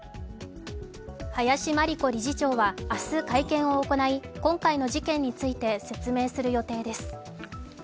林真理子理事長は明日会見を行い、今回の事件について説明する予定です。